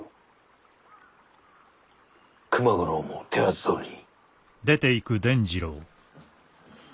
熊五郎も手はずどおり。